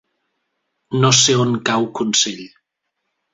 No sé on cau Consell.